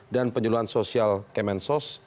dan penjeluhan sosial kemensos